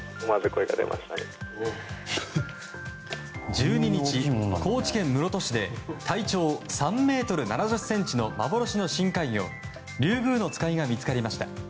１２日、高知県室戸市で体長３ｍ７０ｃｍの幻の深海魚リュウグウノツカイが見つかりました。